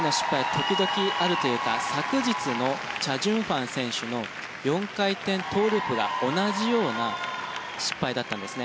時々あるというか昨日のチャ・ジュンファン選手の４回転トウループが同じような失敗だったんですね。